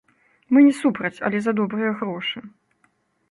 Мы не супраць, але за добрыя грошы.